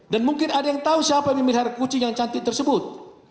dan mungkin ada yang tahu siapa yang memihar kucing yang cantik tersebut